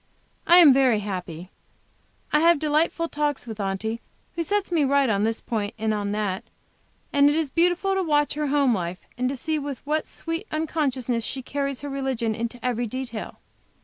I am very happy. I have delightful talks with Aunty, who sets me right at this point and at that; and it is beautiful to watch her home life and to see with what sweet unconsciousness she carries her religion into every detail.